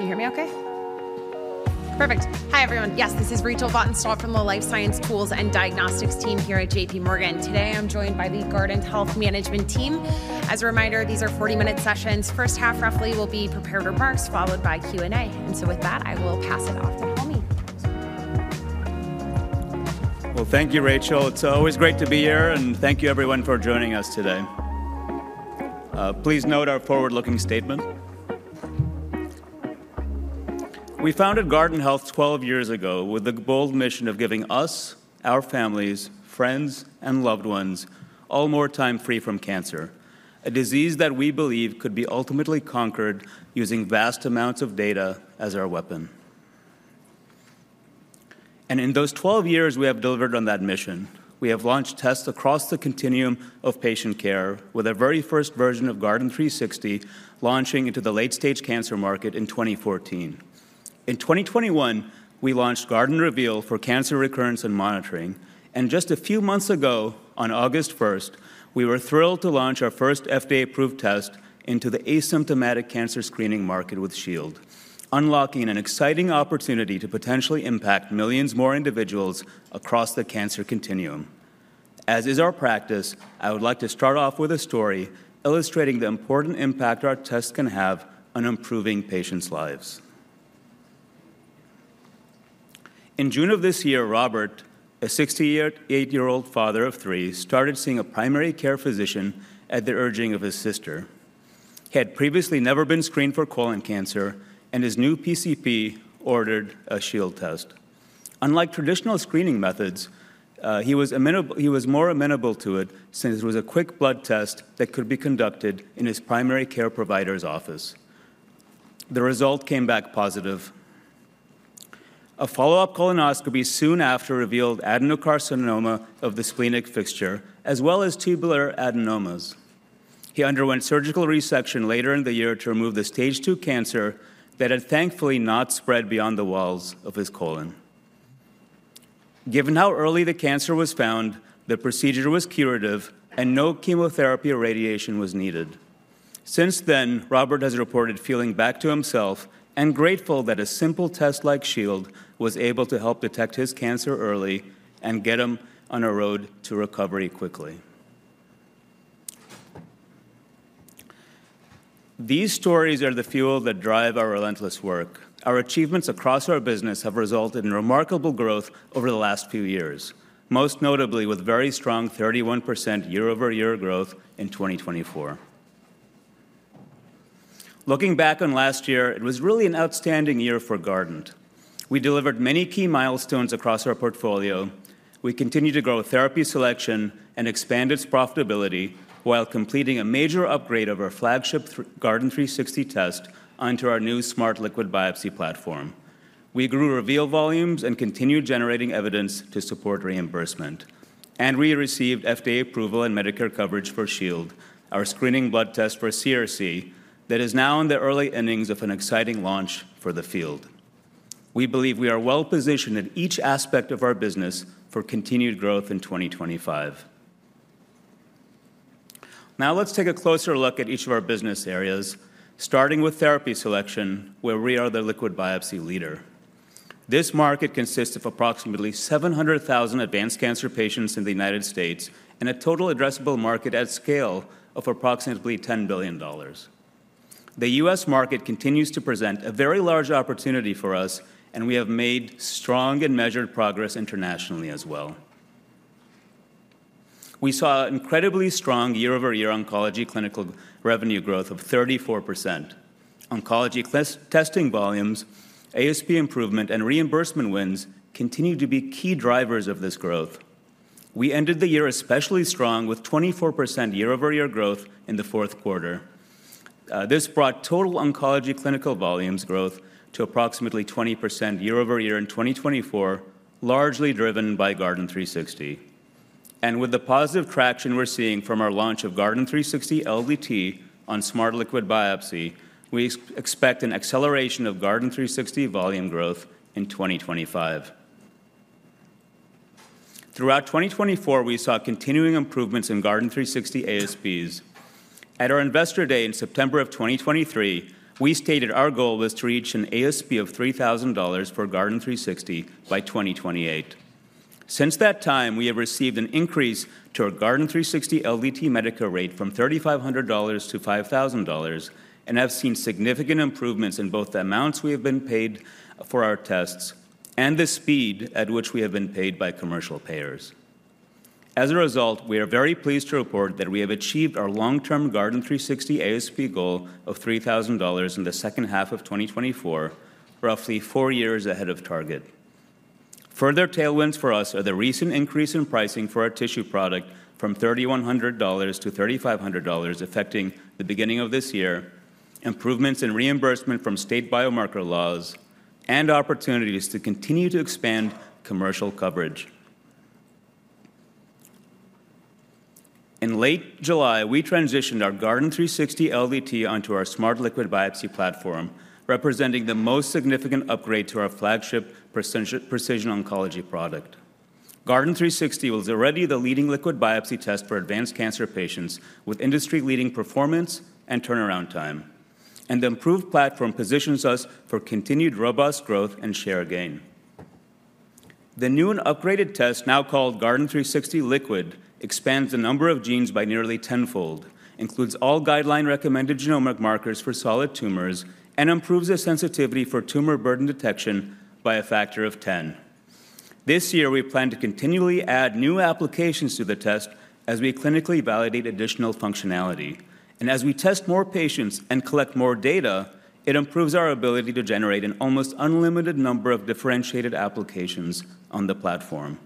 Can you hear me okay? Perfect. Hi, everyone. Yes, this is Rachel Vatnsdal from the Life Science Tools and Diagnostics team here at JPMorgan. Today, I'm joined by the Guardant Health management team. As a reminder, these are 40-minute sessions. First half, roughly, will be prepared remarks, followed by Q&A. And so with that, I will pass it off to Helmy. Thank you, Rachel. It's always great to be here. And thank you, everyone, for joining us today. Please note our forward-looking statement. We founded Guardant Health 12 years ago with the bold mission of giving us, our families, friends, and loved ones all more time free from cancer, a disease that we believe could be ultimately conquered using vast amounts of data as our weapon. And in those 12 years, we have delivered on that mission. We have launched tests across the continuum of patient care, with our very first version of Guardant360 launching into the late-stage cancer market in 2014. In 2021, we launched Guardant Reveal for cancer recurrence and monitoring. And just a few months ago, on August 1, we were thrilled to launch our first FDA-approved test into the asymptomatic cancer screening market with Shield, unlocking an exciting opportunity to potentially impact millions more individuals across the cancer continuum. As is our practice, I would like to start off with a story illustrating the important impact our tests can have on improving patients' lives. In June of this year, Robert, a 68-year-old father of three, started seeing a primary care physician at the urging of his sister. He had previously never been screened for colon cancer, and his new PCP ordered a Shield test. Unlike traditional screening methods, he was more amenable to it since it was a quick blood test that could be conducted in his primary care provider's office. The result came back positive. A follow-up colonoscopy soon after revealed adenocarcinoma of the splenic flexure, as well as tubular adenomas. He underwent surgical resection later in the year to remove the stage II cancer that had, thankfully, not spread beyond the walls of his colon. Given how early the cancer was found, the procedure was curative, and no chemotherapy or radiation was needed. Since then, Robert has reported feeling back to himself and grateful that a simple test like Shield was able to help detect his cancer early and get him on a road to recovery quickly. These stories are the fuel that drive our relentless work. Our achievements across our business have resulted in remarkable growth over the last few years, most notably with very strong 31% year-over-year growth in 2024. Looking back on last year, it was really an outstanding year for Guardant. We delivered many key milestones across our portfolio. We continued to grow therapy selection and expand its profitability while completing a major upgrade of our flagship Guardant360 test onto our new Smart Liquid Biopsy platform. We grew Reveal volumes and continued generating evidence to support reimbursement. We received FDA approval and Medicare coverage for Shield, our screening blood test for CRC that is now in the early innings of an exciting launch for the field. We believe we are well positioned in each aspect of our business for continued growth in 2025. Now, let's take a closer look at each of our business areas, starting with therapy selection, where we are the liquid biopsy leader. This market consists of approximately 700,000 advanced cancer patients in the United States and a total addressable market at scale of approximately $10 billion. The U.S. market continues to present a very large opportunity for us, and we have made strong and measured progress internationally as well. We saw incredibly strong year-over-year oncology clinical revenue growth of 34%. Oncology testing volumes, ASP improvement, and reimbursement wins continue to be key drivers of this growth. We ended the year especially strong with 24% year-over-year growth in the fourth quarter. This brought total oncology clinical volumes growth to approximately 20% year-over-year in 2024, largely driven by Guardant360, and with the positive traction we're seeing from our launch of Guardant360 LDT on Smart Liquid Biopsy, we expect an acceleration of Guardant360 volume growth in 2025. Throughout 2024, we saw continuing improvements in Guardant360 ASPs. At our investor day in September of 2023, we stated our goal was to reach an ASP of $3,000 for Guardant360 by 2028. Since that time, we have received an increase to our Guardant360 LDT Medicare rate from $3,500 to $5,000 and have seen significant improvements in both the amounts we have been paid for our tests and the speed at which we have been paid by commercial payers. As a result, we are very pleased to report that we have achieved our long-term Guardant360 ASP goal of $3,000 in the second half of 2024, roughly four years ahead of target. Further tailwinds for us are the recent increase in pricing for our tissue product from $3,100 to $3,500, affecting the beginning of this year, improvements in reimbursement from state biomarker laws, and opportunities to continue to expand commercial coverage. In late July, we transitioned our Guardant360 LDT onto our Smart Liquid Biopsy platform, representing the most significant upgrade to our flagship precision oncology product. Guardant360 was already the leading liquid biopsy test for advanced cancer patients with industry-leading performance and turnaround time, and the improved platform positions us for continued robust growth and share gain. The new and upgraded test, now called Guardant360 Liquid, expands the number of genes by nearly tenfold, includes all guideline-recommended genomic markers for solid tumors, and improves the sensitivity for tumor burden detection by a factor of 10. This year, we plan to continually add new applications to the test as we clinically validate additional functionality, and as we test more patients and collect more data, it improves our ability to generate an almost unlimited number of differentiated applications on the platform.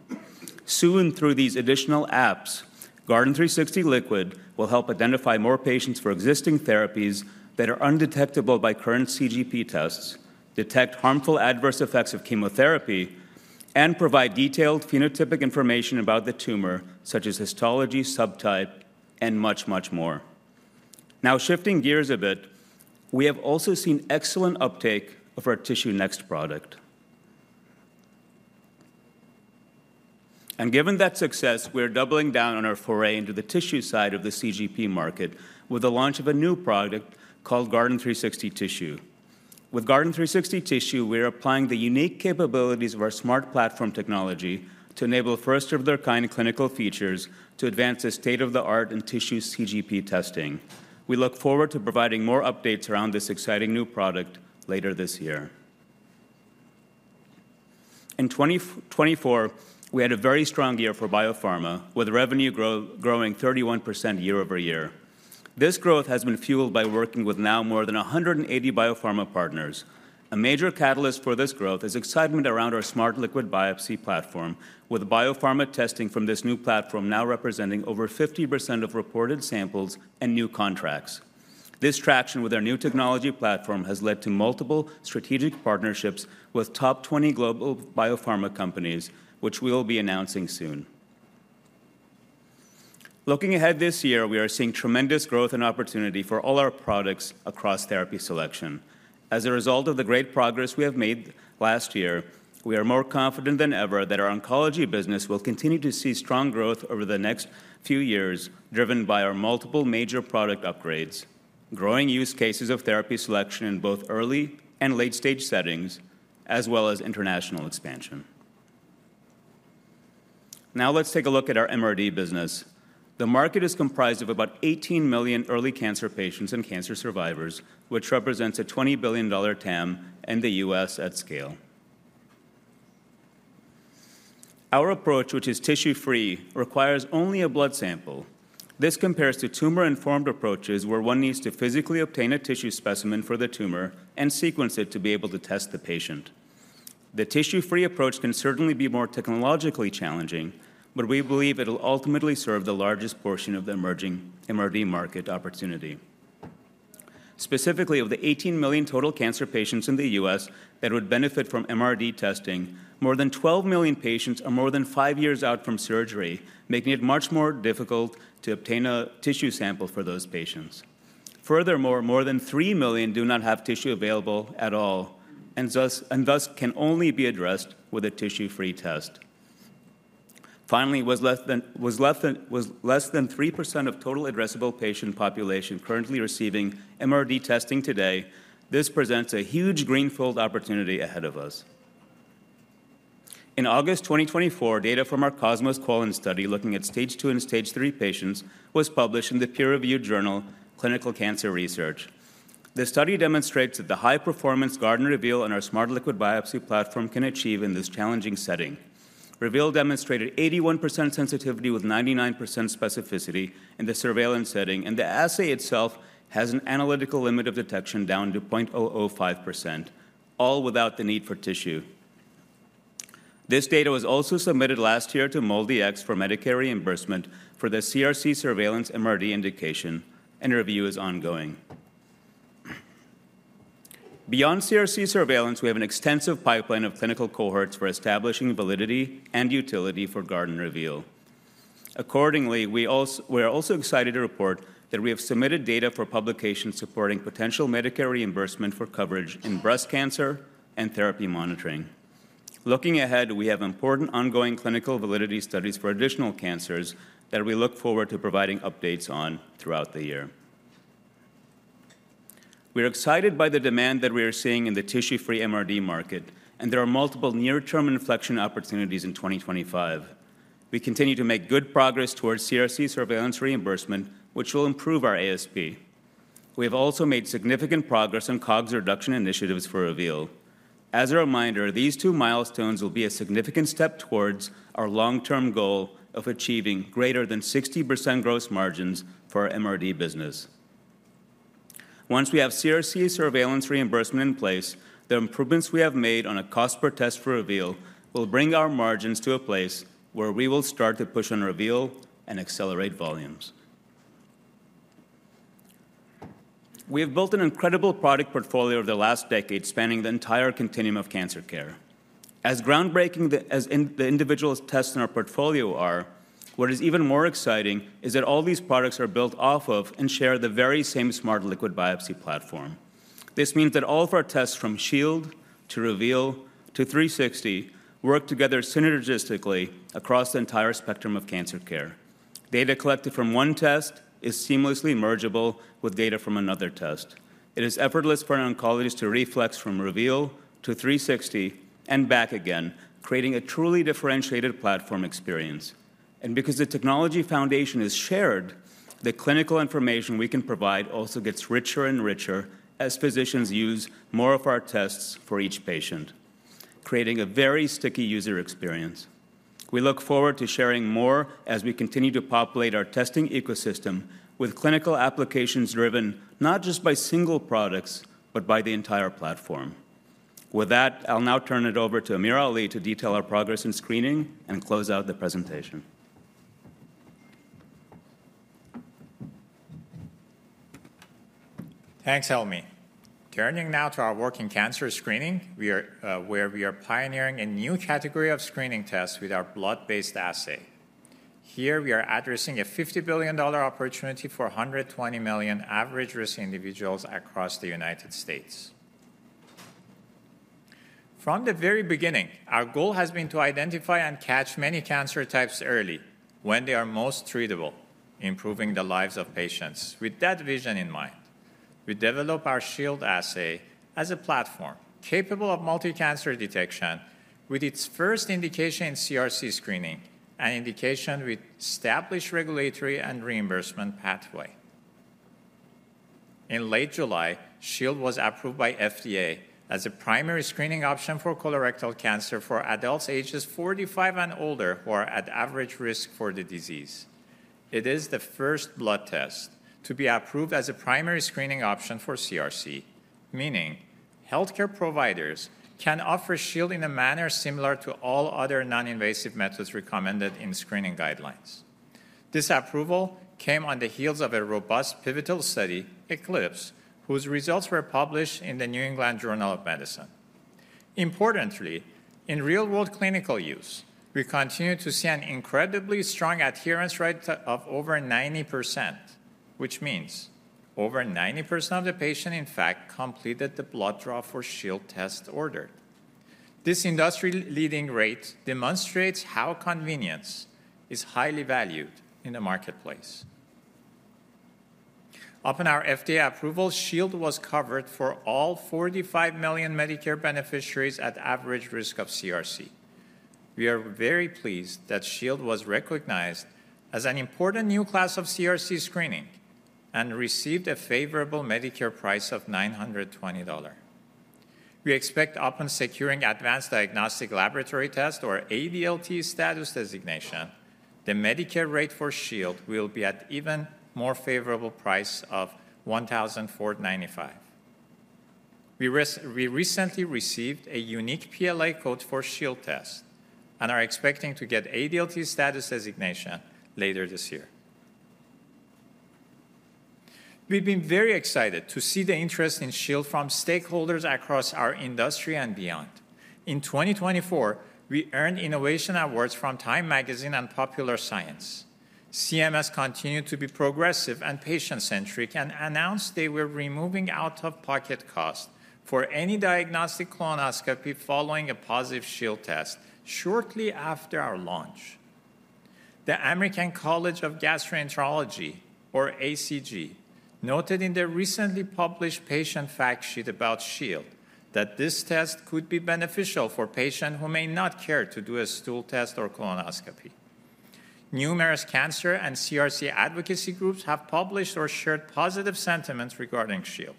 Soon, through these additional apps, Guardant360 Liquid will help identify more patients for existing therapies that are undetectable by current CGP tests, detect harmful adverse effects of chemotherapy, and provide detailed phenotypic information about the tumor, such as histology, subtype, and much, much more. Now, shifting gears a bit, we have also seen excellent uptake of our TissueNext product. And given that success, we are doubling down on our foray into the tissue side of the CGP market with the launch of a new product called Guardant360 Tissue. With Guardant360 Tissue, we are applying the unique capabilities of our smart platform technology to enable first-of-the-kind clinical features to advance the state-of-the-art in tissue CGP testing. We look forward to providing more updates around this exciting new product later this year. In 2024, we had a very strong year for biopharma, with revenue growing 31% year-over-year. This growth has been fueled by working with now more than 180 biopharma partners. A major catalyst for this growth is excitement around our Smart Liquid Biopsy platform, with biopharma testing from this new platform now representing over 50% of reported samples and new contracts. This traction with our new technology platform has led to multiple strategic partnerships with top 20 global biopharma companies, which we will be announcing soon. Looking ahead this year, we are seeing tremendous growth and opportunity for all our products across therapy selection. As a result of the great progress we have made last year, we are more confident than ever that our oncology business will continue to see strong growth over the next few years, driven by our multiple major product upgrades, growing use cases of therapy selection in both early and late-stage settings, as well as international expansion. Now, let's take a look at our MRD business. The market is comprised of about 18 million early cancer patients and cancer survivors, which represents a $20 billion TAM in the U.S. at scale. Our approach, which is tissue-free, requires only a blood sample. This compares to tumor-informed approaches, where one needs to physically obtain a tissue specimen for the tumor and sequence it to be able to test the patient. The tissue-free approach can certainly be more technologically challenging, but we believe it will ultimately serve the largest portion of the emerging MRD market opportunity. Specifically, of the 18 million total cancer patients in the U.S. that would benefit from MRD testing, more than 12 million patients are more than five years out from surgery, making it much more difficult to obtain a tissue sample for those patients. Furthermore, more than three million do not have tissue available at all and thus can only be addressed with a tissue-free test. Finally, with less than 3% of total addressable patient population currently receiving MRD testing today, this presents a huge greenfield opportunity ahead of us. In August 2024, data from our COSMOS Colon study looking at stage II and stage III patients was published in the peer-reviewed journal Clinical Cancer Research. The study demonstrates that the high-performance Guardant Reveal and our Smart Liquid Biopsy platform can achieve in this challenging setting. Reveal demonstrated 81% sensitivity with 99% specificity in the surveillance setting, and the assay itself has an analytical limit of detection down to 0.005%, all without the need for tissue. This data was also submitted last year to MolDX for Medicare reimbursement for the CRC surveillance MRD indication, and review is ongoing. Beyond CRC surveillance, we have an extensive pipeline of clinical cohorts for establishing validity and utility for Guardant Reveal. Accordingly, we are also excited to report that we have submitted data for publication supporting potential Medicare reimbursement for coverage in breast cancer and therapy monitoring. Looking ahead, we have important ongoing clinical validity studies for additional cancers that we look forward to providing updates on throughout the year. We are excited by the demand that we are seeing in the tissue-free MRD market, and there are multiple near-term inflection opportunities in 2025. We continue to make good progress towards CRC surveillance reimbursement, which will improve our ASP. We have also made significant progress on COGS reduction initiatives for Reveal. As a reminder, these two milestones will be a significant step towards our long-term goal of achieving greater than 60% gross margins for our MRD business. Once we have CRC surveillance reimbursement in place, the improvements we have made on a cost per test for Reveal will bring our margins to a place where we will start to push on Reveal and accelerate volumes. We have built an incredible product portfolio over the last decade, spanning the entire continuum of cancer care. As groundbreaking as the individual tests in our portfolio are, what is even more exciting is that all these products are built off of and share the very same Smart Liquid Biopsy platform. This means that all of our tests, from Shield to Reveal to 360, work together synergistically across the entire spectrum of cancer care. Data collected from one test is seamlessly mergeable with data from another test. It is effortless for oncologists to reflex from Reveal to 360 and back again, creating a truly differentiated platform experience. Because the technology foundation is shared, the clinical information we can provide also gets richer and richer as physicians use more of our tests for each patient, creating a very sticky user experience. We look forward to sharing more as we continue to populate our testing ecosystem with clinical applications driven not just by single products, but by the entire platform. With that, I'll now turn it over to AmirAli to detail our progress in screening and close out the presentation. Thanks, Helmy. Turning now to our work in cancer screening, where we are pioneering a new category of screening tests with our blood-based assay. Here, we are addressing a $50 billion opportunity for 120 million average-risk individuals across the United States. From the very beginning, our goal has been to identify and catch many cancer types early when they are most treatable, improving the lives of patients. With that vision in mind, we develop our Shield assay as a platform capable of multi-cancer detection with its first indication in CRC screening, an indication with established regulatory and reimbursement pathway. In late July, Shield was approved by the FDA as a primary screening option for colorectal cancer for adults ages 45 and older who are at average risk for the disease. It is the first blood test to be approved as a primary screening option for CRC, meaning healthcare providers can offer Shield in a manner similar to all other non-invasive methods recommended in screening guidelines. This approval came on the heels of a robust pivotal study, Eclipse, whose results were published in the New England Journal of Medicine. Importantly, in real-world clinical use, we continue to see an incredibly strong adherence rate of over 90%, which means over 90% of the patients, in fact, completed the blood draw for Shield test ordered. This industry-leading rate demonstrates how convenience is highly valued in the marketplace. Upon our FDA approval, Shield was covered for all 45 million Medicare beneficiaries at average risk of CRC. We are very pleased that Shield was recognized as an important new class of CRC screening and received a favorable Medicare price of $920. We expect upon securing advanced diagnostic laboratory test or ADLT status designation, the Medicare rate for Shield will be at an even more favorable price of $1,495. We recently received a unique PLA code for Shield test and are expecting to get ADLT status designation later this year. We've been very excited to see the interest in Shield from stakeholders across our industry and beyond. In 2024, we earned innovation awards from Time Magazine and Popular Science. CMS continued to be progressive and patient-centric and announced they were removing out-of-pocket costs for any diagnostic colonoscopy following a positive Shield test shortly after our launch. The American College of Gastroenterology, or ACG, noted in their recently published patient fact sheet about Shield that this test could be beneficial for patients who may not care to do a stool test or colonoscopy. Numerous cancer and CRC advocacy groups have published or shared positive sentiments regarding Shield.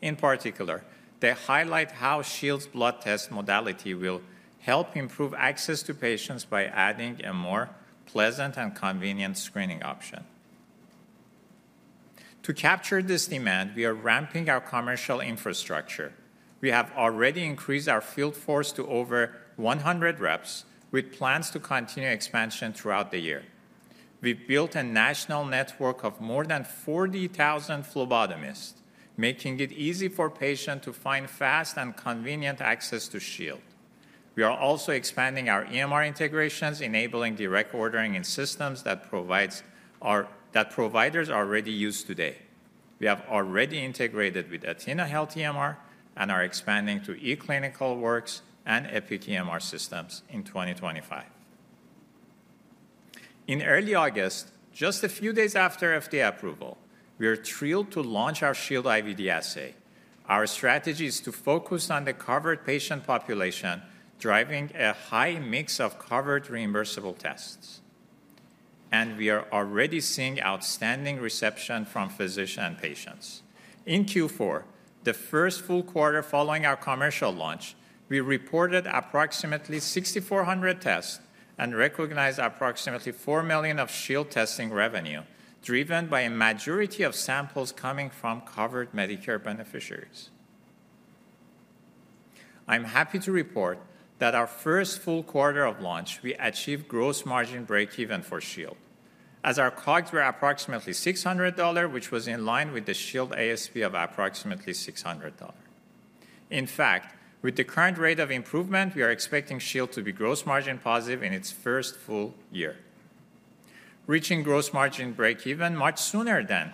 In particular, they highlight how Shield's blood test modality will help improve access to patients by adding a more pleasant and convenient screening option. To capture this demand, we are ramping our commercial infrastructure. We have already increased our field force to over 100 reps, with plans to continue expansion throughout the year. We built a national network of more than 40,000 phlebotomists, making it easy for patients to find fast and convenient access to Shield. We are also expanding our EMR integrations, enabling direct ordering in systems that providers already use today. We have already integrated with athenahealth EMR and are expanding to eClinicalWorks and Epic EMR systems in 2025. In early August, just a few days after FDA approval, we are thrilled to launch our Shield IVD assay. Our strategy is to focus on the covered patient population, driving a high mix of covered reimbursable tests, and we are already seeing outstanding reception from physicians and patients. In Q4, the first full quarter following our commercial launch, we reported approximately 6,400 tests and recognized approximately $4 million of Shield testing revenue, driven by a majority of samples coming from covered Medicare beneficiaries. I'm happy to report that our first full quarter of launch, we achieved gross margin breakeven for Shield, as our COGS were approximately $600, which was in line with the Shield ASP of approximately $600. In fact, with the current rate of improvement, we are expecting Shield to be gross margin positive in its first full year. Reaching gross margin breakeven much sooner than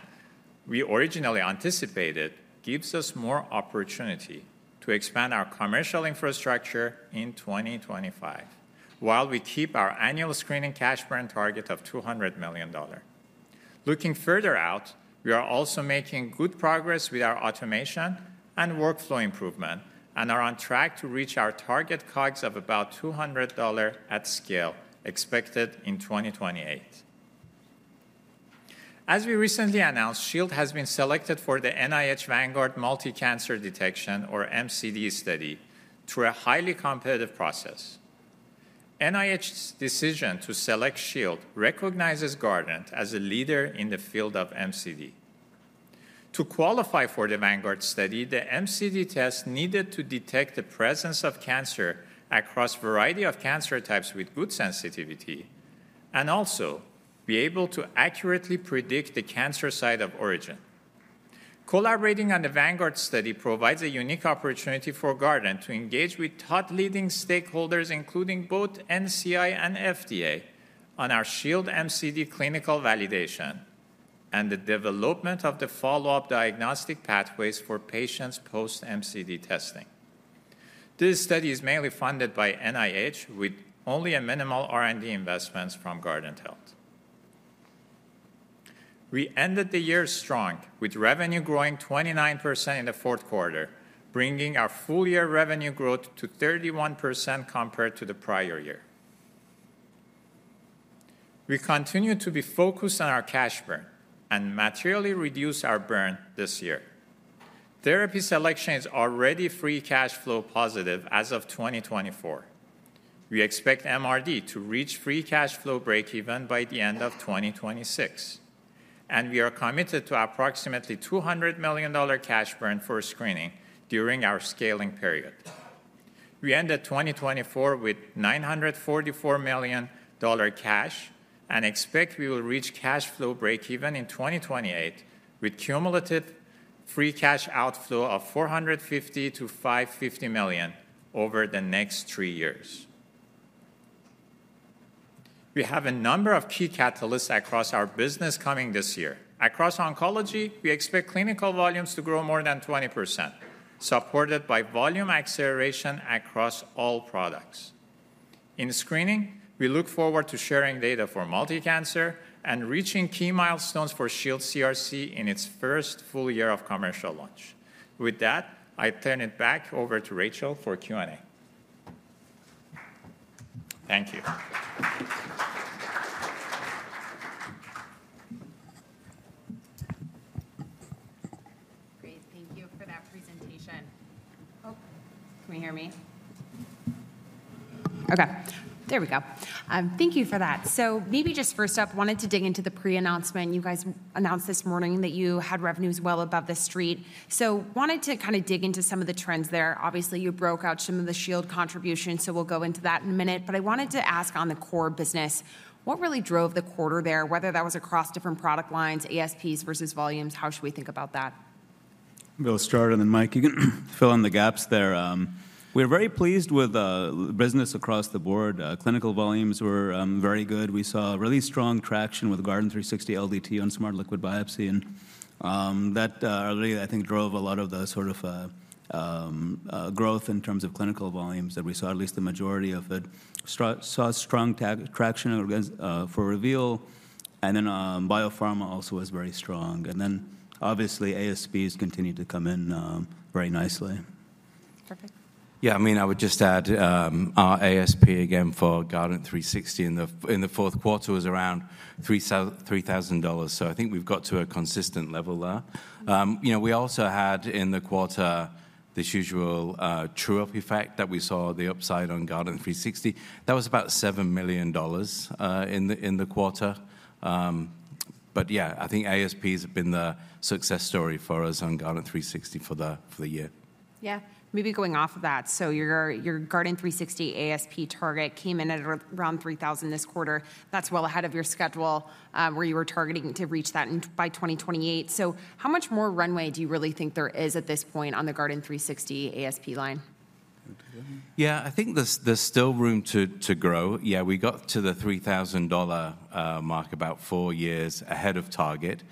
we originally anticipated gives us more opportunity to expand our commercial infrastructure in 2025, while we keep our annual screening cash burn target of $200 million. Looking further out, we are also making good progress with our automation and workflow improvement and are on track to reach our target COGS of about $200 at scale expected in 2028. As we recently announced, Shield has been selected for the NIH Vanguard Multi-Cancer Detection, or MCD, study through a highly competitive process. NIH's decision to select Shield recognizes Guardant as a leader in the field of MCD. To qualify for the Vanguard study, the MCD test needed to detect the presence of cancer across a variety of cancer types with good sensitivity and also be able to accurately predict the cancer site of origin. Collaborating on the Vanguard study provides a unique opportunity for Guardant to engage with top leading stakeholders, including both NCI and FDA, on our Shield MCD clinical validation and the development of the follow-up diagnostic pathways for patients post-MCD testing. This study is mainly funded by NIH, with only minimal R&D investments from Guardant Health. We ended the year strong, with revenue growing 29% in the fourth quarter, bringing our full-year revenue growth to 31% compared to the prior year. We continue to be focused on our cash burn and materially reduce our burn this year. Therapy selection is already free cash flow positive as of 2024. We expect MRD to reach free cash flow breakeven by the end of 2026, and we are committed to approximately $200 million cash burn for screening during our scaling period. We ended 2024 with $944 million cash and expect we will reach cash flow breakeven in 2028, with cumulative free cash outflow of $450-$550 million over the next three years. We have a number of key catalysts across our business coming this year. Across oncology, we expect clinical volumes to grow more than 20%, supported by volume acceleration across all products. In screening, we look forward to sharing data for multi-cancer and reaching key milestones for Shield CRC in its first full year of commercial launch. With that, I turn it back over to Rachel for Q&A. Thank you. Thank you for that presentation. Thank you for that. So maybe just first up, wanted to dig into the pre-announcement. You guys announced this morning that you had revenues well above the street. So wanted to kind of dig into some of the trends there. Obviously, you broke out some of the Shield contributions, so we'll go into that in a minute. But I wanted to ask on the core business, what really drove the quarter there, whether that was across different product lines, ASPs versus volumes? How should we think about that? We'll start, and then Mike, you can fill in the gaps there. We are very pleased with the business across the board. Clinical volumes were very good. We saw really strong traction with Guardant360 LDT on Smart Liquid Biopsy. And that really, I think, drove a lot of the sort of growth in terms of clinical volumes that we saw, at least the majority of it. Saw strong traction for Guardant Reveal, and then biopharma also was very strong. And then, obviously, ASPs continued to come in very nicely. Perfect. Yeah, I mean, I would just add our ASP again for Guardant360 in the Q4 was around $3,000. So I think we've got to a consistent level there. We also had in the quarter this usual true-up effect that we saw the upside on Guardant360. That was about $7 million in the quarter. But yeah, I think ASPs have been the success story for us on Guardant360 for the year. Yeah. Maybe going off of that, so your Guardant360 ASP target came in at around $3,000 this quarter. That's well ahead of your schedule where you were targeting to reach that by 2028. So how much more runway do you really think there is at this point on the Guardant360 ASP line? Yeah, I think there's still room to grow. Yeah, we got to the $3,000 mark about four years ahead of target.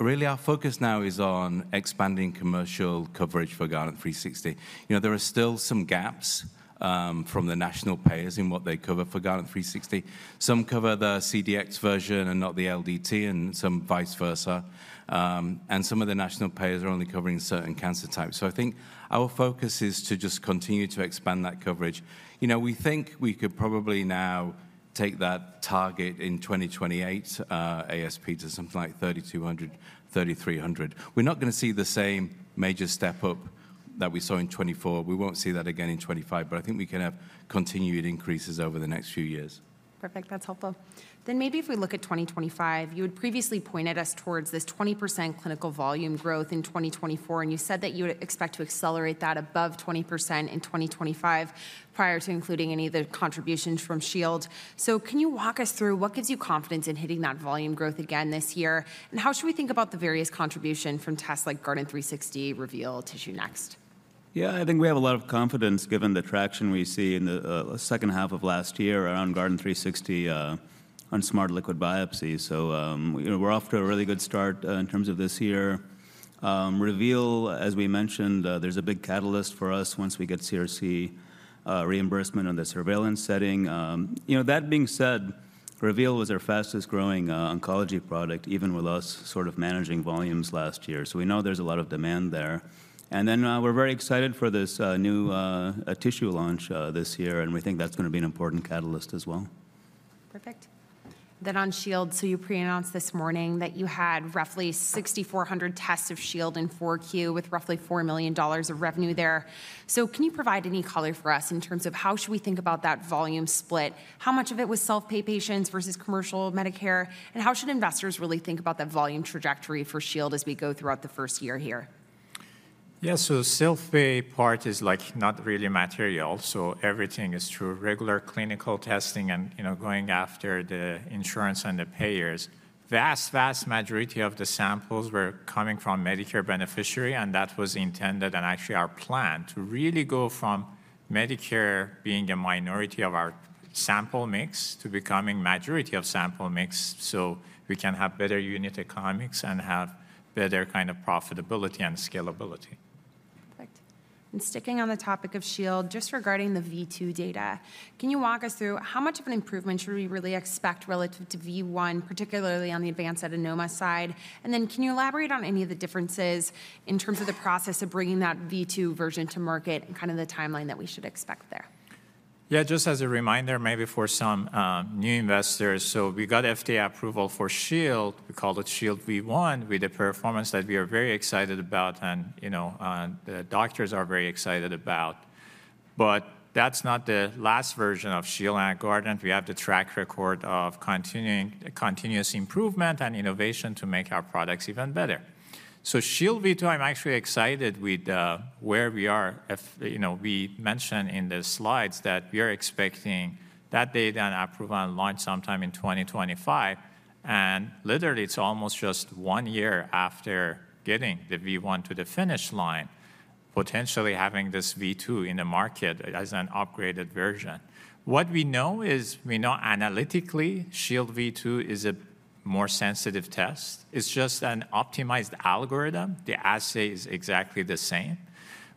Really, our focus now is on expanding commercial coverage for Guardant360.There are still some gaps from the national payers in what they cover for Guardant360. Some cover the CDx version and not the LDT, and some vice versa, and some of the national payers are only covering certain cancer types, so I think our focus is to just continue to expand that coverage. We think we could probably now take that target in 2028, ASP to something like $3,200, $3,300. We're not going to see the same major step up that we saw in 2024. We won't see that again in 2025, but I think we can have continued increases over the next few years. Perfect. That's helpful. Then maybe if we look at 2025, you had previously pointed us towards this 20% clinical volume growth in 2024, and you said that you would expect to accelerate that above 20% in 2025 prior to including any of the contributions from Shield. So can you walk us through what gives you confidence in hitting that volume growth again this year? And how should we think about the various contribution from tests like Guardant360, Reveal, TissueNext? Yeah, I think we have a lot of confidence given the traction we see in the second half of last year around Guardant360 on Smart Liquid Biopsy. So we're off to a really good start in terms of this year. Reveal, as we mentioned, there's a big catalyst for us once we get CRC reimbursement on the surveillance setting. That being said, Reveal was our fastest-growing oncology product, even with us sort of managing volumes last year. So we know there's a lot of demand there. And then we're very excited for this new tissue launch this year, and we think that's going to be an important catalyst as well. Perfect. Then on Shield, so you pre-announced this morning that you had roughly 6,400 tests of Shield in Q4 with roughly $4 million of revenue there. So can you provide any color for us in terms of how should we think about that volume split? How much of it was self-pay patients versus commercial Medicare? And how should investors really think about that volume trajectory for Shield as we go throughout the first year here? Yeah, so self-pay part is like not really material. So everything is through regular clinical testing and going after the insurance and the payers. Vast, vast majority of the samples were coming from Medicare beneficiary, and that was intended and actually our plan to really go from Medicare being a minority of our sample mix to becoming a majority of sample mix so we can have better unit economics and have better kind of profitability and scalability. Perfect. And sticking on the topic of Shield, just regarding the V2 data, can you walk us through how much of an improvement should we really expect relative to V1, particularly on the advanced adenoma side? And then can you elaborate on any of the differences in terms of the process of bringing that V2 version to market and kind of the timeline that we should expect there? Yeah, just as a reminder, maybe for some new investors, so we got FDA approval for Shield. We called it Shield V1 with the performance that we are very excited about and the doctors are very excited about. But that's not the last version of Shield and Guardant. We have the track record of continuous improvement and innovation to make our products even better. So Shield V2, I'm actually excited with where we are. We mentioned in the slides that we are expecting that data and approval and launch sometime in 2025. And literally, it's almost just one year after getting the V1 to the finish line, potentially having this V2 in the market as an upgraded version. What we know is we know analytically Shield V2 is a more sensitive test. It's just an optimized algorithm. The assay is exactly the same.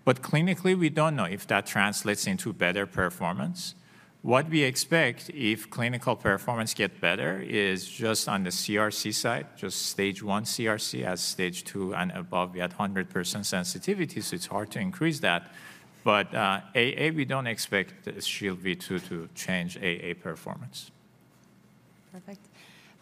But clinically, we don't know if that translates into better performance. What we expect if clinical performance gets better is just on the CRC side, just stage one CRC as stage two and above. We had 100% sensitivity, so it's hard to increase that. But AA, we don't expect the Shield V2 to change AA performance. Perfect.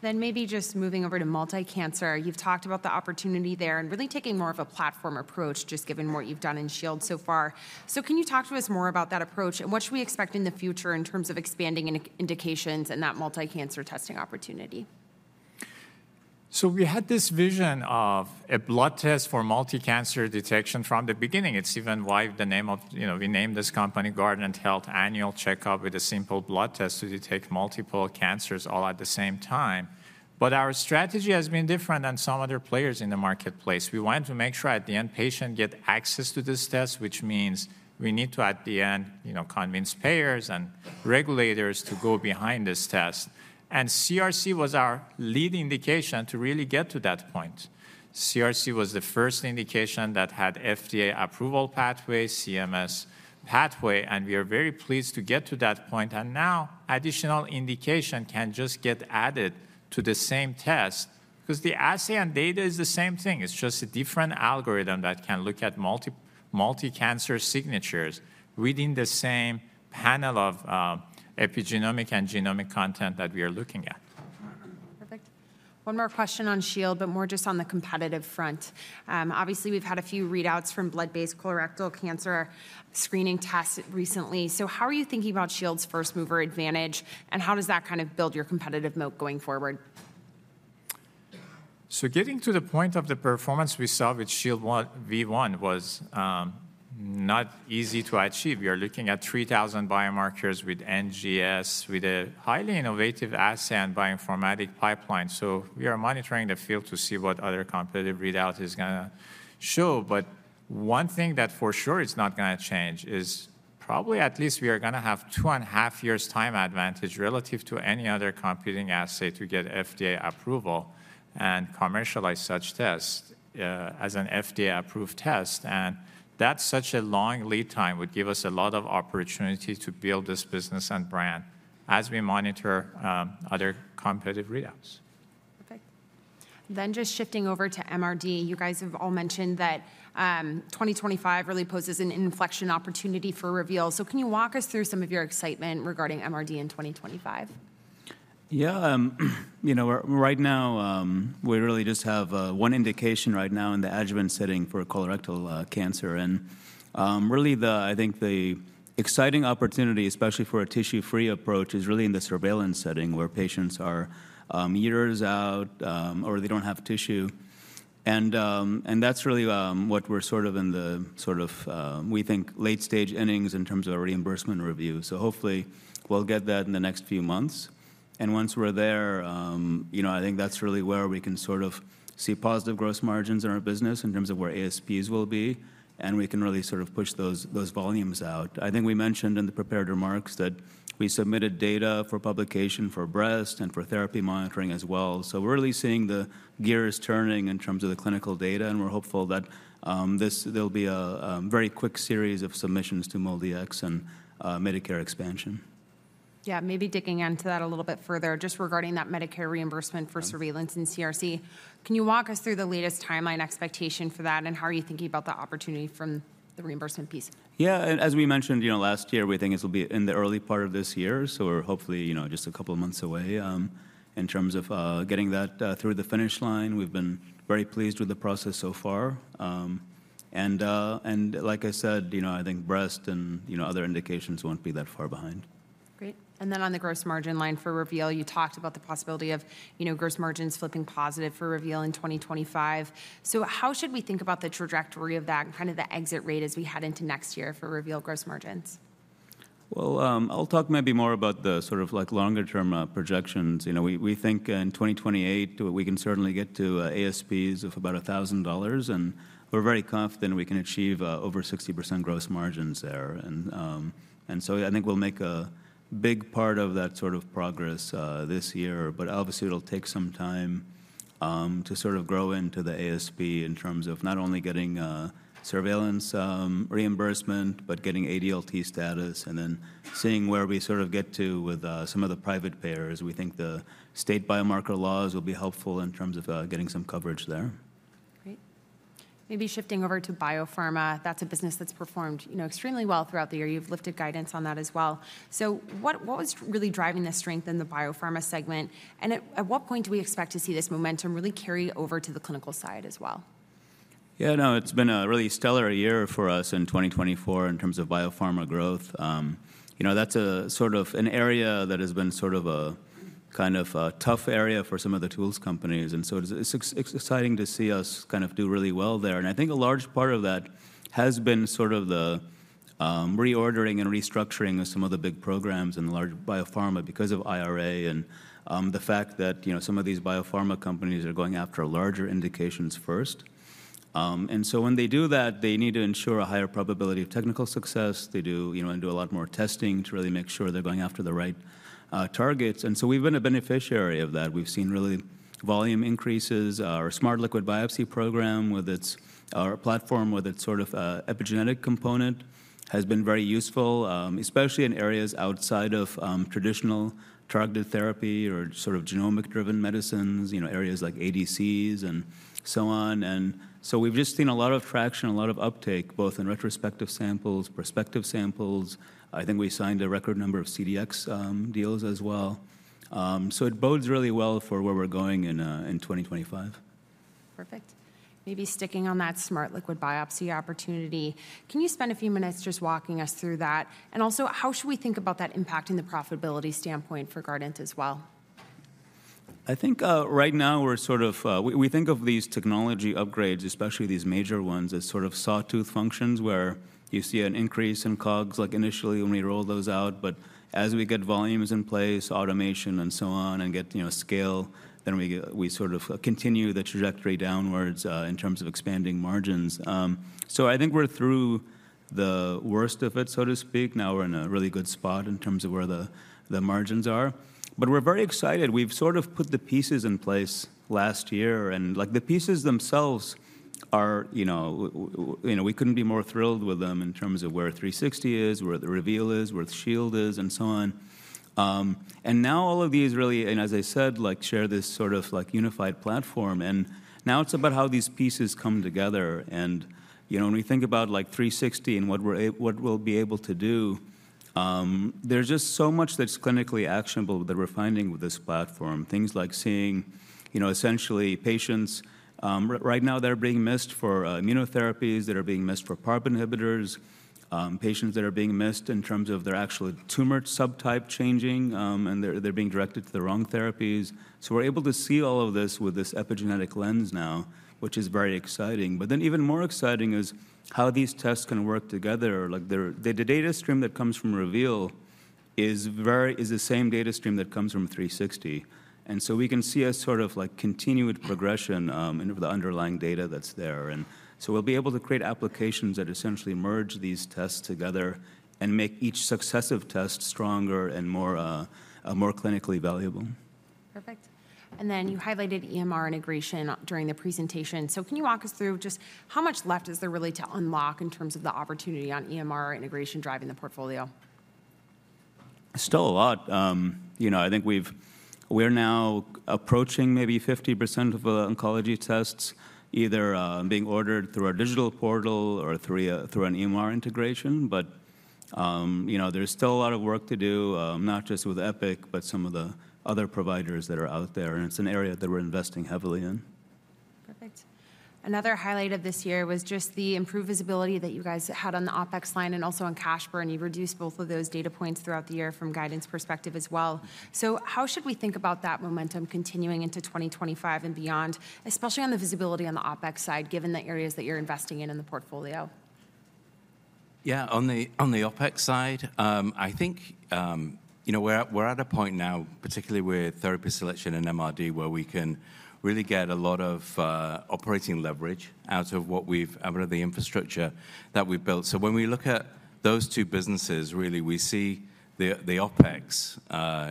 Then maybe just moving over to multi-cancer, you've talked about the opportunity there and really taking more of a platform approach, just given what you've done in Shield so far. So can you talk to us more about that approach and what should we expect in the future in terms of expanding indications and that multi-cancer testing opportunity? So we had this vision of a blood test for multi-cancer detection from the beginning. It's even why we named this company Guardant Health. Annual Checkup with a simple blood test to detect multiple cancers all at the same time. But our strategy has been different than some other players in the marketplace. We wanted to make sure at the end patient gets access to this test, which means we need to at the end convince payers and regulators to get behind this test. And CRC was our lead indication to really get to that point. CRC was the first indication that had FDA approval pathway, CMS pathway, and we are very pleased to get to that point. And now additional indication can just get added to the same test because the assay and data is the same thing. It's just a different algorithm that can look at multi-cancer signatures within the same panel of epigenomic and genomic content that we are looking at. Perfect. One more question on Shield, but more just on the competitive front. Obviously, we've had a few readouts from blood-based colorectal cancer screening tests recently. So how are you thinking about Shield's first mover advantage and how does that kind of build your competitive moat going forward? So getting to the point of the performance we saw with Shield V1 was not easy to achieve. We are looking at 3,000 biomarkers with NGS, with a highly innovative assay and bioinformatics pipeline. So we are monitoring the field to see what other competitive readout is going to show. But one thing that for sure it's not going to change is probably at least we are going to have two and a half years time advantage relative to any other competing assay to get FDA approval and commercialize such test as an FDA-approved test. And that's such a long lead time would give us a lot of opportunity to build this business and brand as we monitor other competitive readouts. Perfect. Then just shifting over to MRD, you guys have all mentioned that 2025 really poses an inflection opportunity for Reveal. So can you walk us through some of your excitement regarding MRD in 2025? Yeah, right now we really just have one indication right now in the adjuvant setting for colorectal cancer. Really, I think the exciting opportunity, especially for a tissue-free approach, is really in the surveillance setting where patients are years out or they don't have tissue. That's really what we're sort of in the we think late-stage innings in terms of our reimbursement review. Hopefully we'll get that in the next few months. Once we're there, I think that's really where we can sort of see positive gross margins in our business in terms of where ASPs will be, and we can really sort of push those volumes out. I think we mentioned in the prepared remarks that we submitted data for publication for breast and for therapy monitoring as well. We're really seeing the gears turning in terms of the clinical data, and we're hopeful that there'll be a very quick series of submissions to MolDX and Medicare expansion. Yeah, maybe digging into that a little bit further, just regarding that Medicare reimbursement for surveillance and CRC. Can you walk us through the latest timeline expectation for that, and how are you thinking about the opportunity from the reimbursement piece? Yeah, as we mentioned last year, we think it'll be in the early part of this year, so we're hopefully just a couple of months away in terms of getting that through the finish line. We've been very pleased with the process so far. And like I said, I think breast and other indications won't be that far behind. Great. And then on the gross margin line for Reveal, you talked about the possibility of gross margins flipping positive for Reveal in 2025. So how should we think about the trajectory of that and kind of the exit rate as we head into next year for Reveal gross margins? I'll talk maybe more about the sort of longer-term projections. We think in 2028, we can certainly get to ASPs of about $1,000, and we're very confident we can achieve over 60% gross margins there. I think we'll make a big part of that sort of progress this year, but obviously it'll take some time to sort of grow into the ASP in terms of not only getting surveillance reimbursement, but getting ADLT status and then seeing where we sort of get to with some of the private payers. We think the state biomarker laws will be helpful in terms of getting some coverage there. Great. Maybe shifting over to biopharma. That's a business that's performed extremely well throughout the year. You've lifted guidance on that as well. So what was really driving the strength in the biopharma segment, and at what point do we expect to see this momentum really carry over to the clinical side as well? Yeah, no, it's been a really stellar year for us in 2024 in terms of biopharma growth. That's sort of an area that has been sort of a kind of tough area for some of the tools companies. And so it's exciting to see us kind of do really well there. And I think a large part of that has been sort of the reordering and restructuring of some of the big programs and large biopharma because of IRA and the fact that some of these biopharma companies are going after larger indications first. And so when they do that, they need to ensure a higher probability of technical success. They do and do a lot more testing to really make sure they're going after the right targets. So we've been a beneficiary of that. We've seen really volume increases. Our Smart Liquid Biopsy program with our platform, with its sort of epigenetic component, has been very useful, especially in areas outside of traditional targeted therapy or sort of genomic-driven medicines, areas like ADCs and so on. So we've just seen a lot of traction, a lot of uptake, both in retrospective samples, prospective samples. I think we signed a record number of CDx deals as well. So it bodes really well for where we're going in 2025. Perfect. Maybe sticking on that Smart Liquid Biopsy opportunity, can you spend a few minutes just walking us through that? And also, how should we think about that impact in the profitability standpoint for Guardant as well? I think right now, we sort of think of these technology upgrades, especially these major ones, as sort of sawtooth functions where you see an increase in COGS like initially when we roll those out. But as we get volumes in place, automation and so on, and get scale, then we sort of continue the trajectory downwards in terms of expanding margins. So I think we're through the worst of it, so to speak. Now we're in a really good spot in terms of where the margins are. But we're very excited. We've sort of put the pieces in place last year. And the pieces themselves, we couldn't be more thrilled with them in terms of where 360 is, where the Reveal is, where Shield is, and so on. And now all of these really, and as I said, share this sort of unified platform. Now it's about how these pieces come together. When we think about 360 and what we'll be able to do, there's just so much that's clinically actionable that we're finding with this platform. Things like seeing essentially patients right now that are being missed for immunotherapies, that are being missed for PARP inhibitors, patients that are being missed in terms of their actual tumor subtype changing, and they're being directed to the wrong therapies. We're able to see all of this with this epigenetic lens now, which is very exciting. Even more exciting is how these tests can work together. The data stream that comes from Reveal is the same data stream that comes from 360. We can see a sort of continued progression of the underlying data that's there. And so we'll be able to create applications that essentially merge these tests together and make each successive test stronger and more clinically valuable. Perfect. And then you highlighted EMR integration during the presentation. So can you walk us through just how much left is there really to unlock in terms of the opportunity on EMR integration driving the portfolio? Still a lot. I think we're now approaching maybe 50% of the oncology tests either being ordered through our digital portal or through an EMR integration. But there's still a lot of work to do, not just with Epic, but some of the other providers that are out there. And it's an area that we're investing heavily in. Perfect. Another highlight of this year was just the improved visibility that you guys had on the OpEx line and also on cash burn and you reduced both of those data points throughout the year from Guardant's perspective as well. So how should we think about that momentum continuing into 2025 and beyond, especially on the visibility on the OpEx side, given the areas that you're investing in the portfolio? Yeah, on the OpEx side, I think we're at a point now, particularly with therapy selection and MRD, where we can really get a lot of operating leverage out of the infrastructure that we've built. So when we look at those two businesses, really, we see the OpEx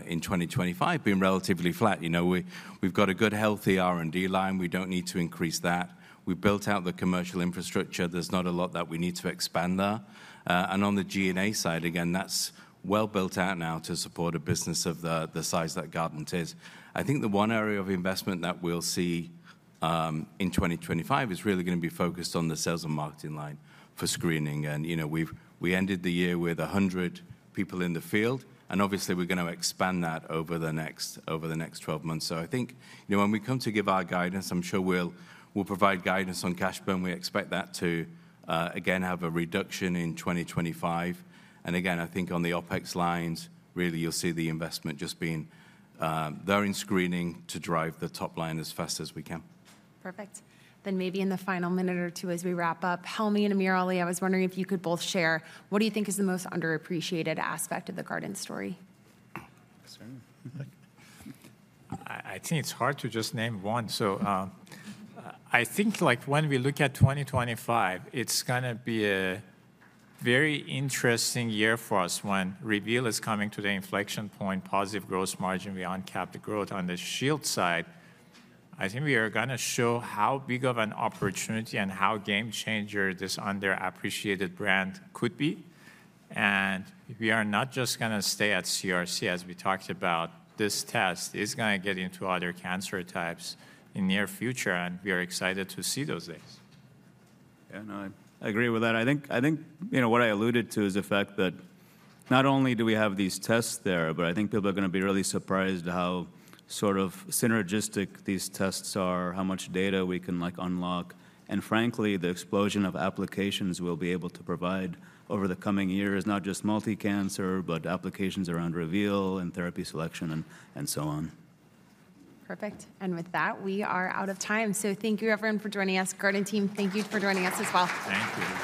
in 2025 being relatively flat. We've got a good, healthy R&D line. We don't need to increase that. We've built out the commercial infrastructure. There's not a lot that we need to expand there. And on the G&A side, again, that's well built out now to support a business of the size that Guardant is. I think the one area of investment that we'll see in 2025 is really going to be focused on the sales and marketing line for screening. And we ended the year with 100 people in the field. And obviously, we're going to expand that over the next 12 months. So I think when we come to give our guidance, I'm sure we'll provide guidance on cash burn. We expect that to, again, have a reduction in 2025. And again, I think on the OPEX lines, really, you'll see the investment just being there in screening to drive the top line as fast as we can. Perfect. Then, maybe in the final minute or two as we wrap up, Helmy and Amir Ali, I was wondering if you could both share. What do you think is the most underappreciated aspect of the Guardant story? I think it's hard to just name one. So, I think when we look at 2025, it's going to be a very interesting year for us when Reveal is coming to the inflection point, positive gross margin, we uncapped the growth. On the Shield side, I think we are going to show how big of an opportunity and how game changer this underappreciated brand could be. And we are not just going to stay at CRC, as we talked about. This test is going to get into other cancer types in the near future, and we are excited to see those days. Yeah, no, I agree with that. I think what I alluded to is the fact that not only do we have these tests there, but I think people are going to be really surprised how sort of synergistic these tests are, how much data we can unlock, and frankly, the explosion of applications we'll be able to provide over the coming year is not just multi-cancer, but applications around Reveal and therapy selection and so on. Perfect, and with that, we are out of time, so thank you, everyone, for joining us. Guardant team, thank you for joining us as well. Thank you.